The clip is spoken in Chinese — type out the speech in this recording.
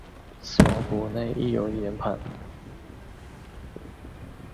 死亡谷内亦有盐磐。